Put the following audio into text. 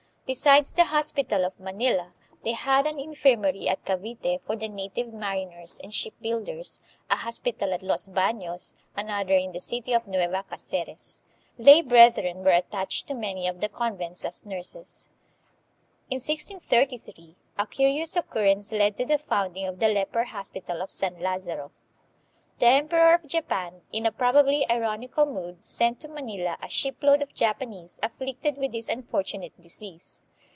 2 Besides the hospital of Manila, they had an infirmary at Cavite for the native mariners and ship builders, a hospital at Los Banos, another in the city of Nueva Cdceres. Lay brethren were attached to many of the convents as nurses. In 1633 a curious occurrence led to the founding of the leper hospital of San Lazaro. The emperor of Japan, in a probably ironical mood, sent to Manila a shipload of Japanese afflicted with this unfortunate disease.